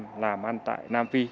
đến làm ăn tại nam phi